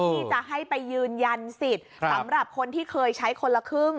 ที่จะให้ไปยืนยันสิทธิ์สำหรับคนที่เคยใช้คนละครึ่ง